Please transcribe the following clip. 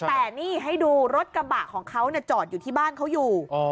แต่นี่ให้ดูรถกระบะของเขาจอดอยู่ที่บ้านเขาอยู่